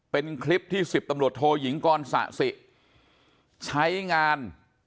เป็นคลิปที่๑๐ตำรวจโทยิงกรสะสิใช้งาน